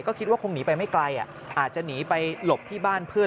ก็คิดว่าคงหนีไปไม่ไกลอาจจะหนีไปหลบที่บ้านเพื่อน